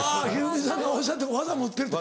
一二三さんがおっしゃってる技持ってるって。